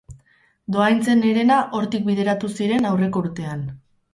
Dohaintzen herena hortik bideratu ziren aurreko urtean.